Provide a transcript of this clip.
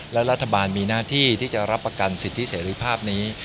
และรัฐบาลมีหน้าที่ที่จะรับประกันสิทธิเสรีภาพนี้